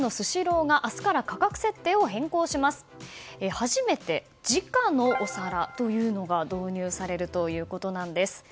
初めて、時価のお皿というのが導入されるということなんです。